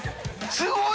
すごい！